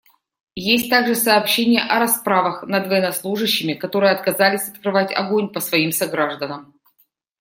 Есть также сообщения о расправах над военнослужащими, которые отказались открывать огонь по своим согражданам.